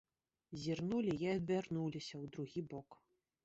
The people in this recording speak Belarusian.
Зірнулі й адвярнуліся ў другі бок.